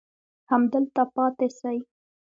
همدلته پاتې سئ.